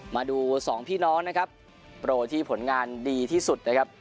มาดูสองพี่น้องนะครับโปรที่ผลงานดีที่สุดนะครับ